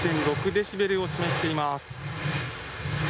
７８．６デシベルを示しています。